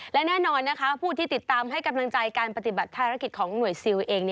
และแน่นอนนะคะผู้ที่ติดตามให้กำลังใจการปฏิบัติภารกิจของหน่วยซิลเอง